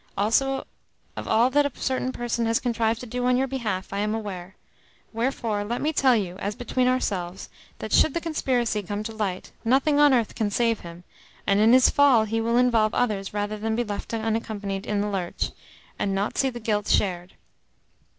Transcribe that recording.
Also, of all that a certain person has contrived to do on your behalf I am aware; wherefore let me tell you, as between ourselves, that should the conspiracy come to light, nothing on earth can save him, and in his fall he will involve others rather then be left unaccompanied in the lurch, and not see the guilt shared.